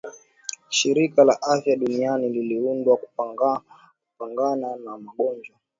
shirika la afya duniani liliundwa kupangana na magonjwa